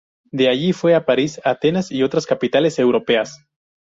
De allí fue a París, Atenas y otras capitales europeas.